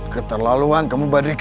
keterlaluan kamu mbak drika